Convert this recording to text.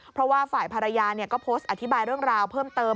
เพราะว่าฝ่ายภรรยาก็โพสต์อธิบายเรื่องราวเพิ่มเติม